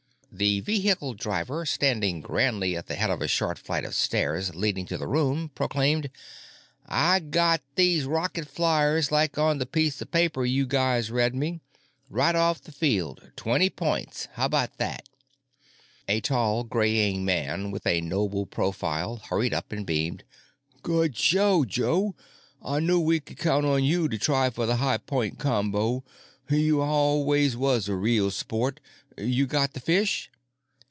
The vehicle driver, standing grandly at the head of a short flight of stairs leading to the room, proclaimed: "I got these rocket flyers like on the piece of paper you guys read me. Right off the field. Twenny points. How about that?" A tall, graying man with a noble profile hurried up and beamed: "Good show, Joe. I knew we could count on you to try for the high point combo. You was always a real sport. You got the fish?"